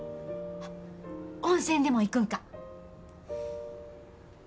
あっ温泉でも行くんか？